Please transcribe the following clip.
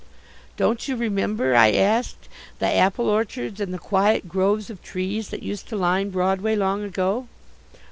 "Don't you remember," I asked, "the apple orchards and the quiet groves of trees that used to line Broadway long ago?"